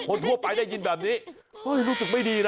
คนทั่วไปได้ยินแบบนี้รู้สึกไม่ดีนะ